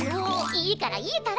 いいからいいから！